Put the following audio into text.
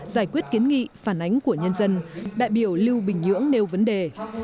giải quyết kiến nghị phản ánh của nhân dân đại biểu lưu bình nhưỡng nêu vấn đề